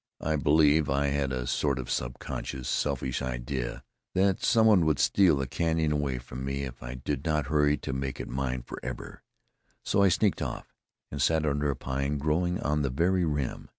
I believe I had a sort of subconscious, selfish idea that some one would steal the canyon away from me if I did not hurry to make it mine forever; so I sneaked off, and sat under a pine growing on the very rim.